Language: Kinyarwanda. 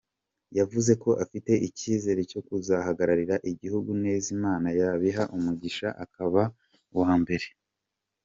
Yavuze ko afite icyizere cyo kuzahagararira igihugu neza Imana yabiha umugisha akaba uwa mbere.